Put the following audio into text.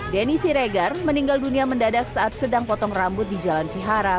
denny siregar meninggal dunia mendadak saat sedang potong rambut di jalan vihara